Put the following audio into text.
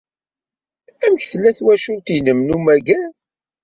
Amek tella twacult-nnem n ummager?